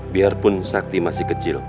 biarpun zakti masih kecil